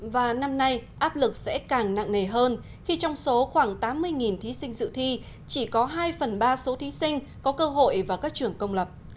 và năm nay áp lực sẽ càng nặng nề hơn khi trong số khoảng tám mươi thí sinh dự thi chỉ có hai phần ba số thí sinh có cơ hội vào các trường công lập